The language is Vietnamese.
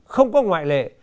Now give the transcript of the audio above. không có ngoại lệ